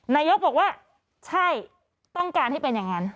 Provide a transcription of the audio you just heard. นายกบอกว่าใช่ต้องการให้เป็นอย่างนั้น